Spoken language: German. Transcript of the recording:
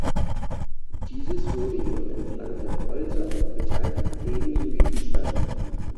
Dieses wurde jedoch entlang der Olsa aufgeteilt, ebenso wie die Stadt.